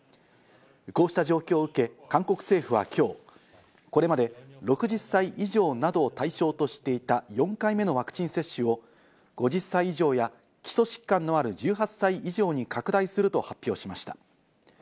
こうした状況を受け、韓国政府は今日、これまで６０歳以上などを対象としていた４回目のワクチン接種を５０歳以上や基礎疾患のある１８歳以上に拡大すると発表しました。